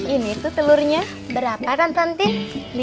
ini tuh telurnya berapa nonton tin